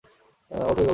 ওঠো, জলদি!